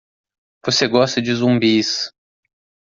Você gosta de zumbis.